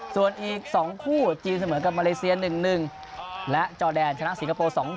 ส่วนอีก๒คู่จีนเสมอกับมาเลเซีย๑๑และจอแดนชนะสิงคโปร์๒๐